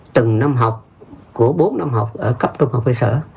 từng năm học của bốn năm học ở cấp trung học cơ sở